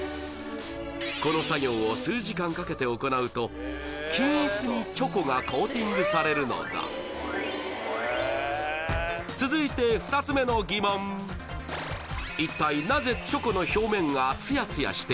この作業を数時間かけて行うと均一にチョコがコーティングされるのだ続いて２つ目のギモンしているのか？